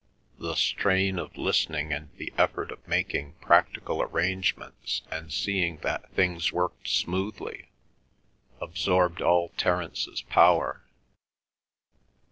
The strain of listening and the effort of making practical arrangements and seeing that things worked smoothly, absorbed all Terence's power.